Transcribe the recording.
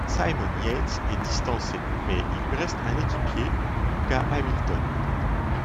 Simon Yates est distancé mais il lui reste un équipier, Lucas Hamilton.